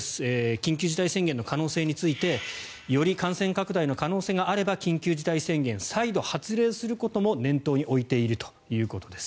緊急事態宣言の可能性についてより感染拡大の可能性があれば緊急事態宣言を再度発令することも念頭に置いているということです。